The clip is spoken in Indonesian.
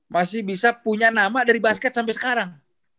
masih bisa punya nama dari basket sampe sekarang